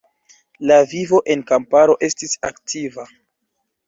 La vivo en kamparo estis aktiva.